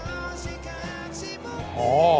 ああ。